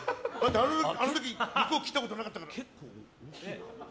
あの時は肉を切ったことなかったから。